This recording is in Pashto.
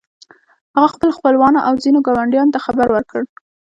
هغه خپلو خپلوانو او ځينو ګاونډيانو ته خبر ورکړ.